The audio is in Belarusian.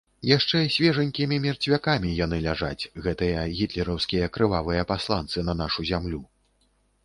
Яшчэ свежанькімі мерцвякамі яны ляжаць, гэтыя гітлераўскія крывавыя пасланцы на нашу зямлю.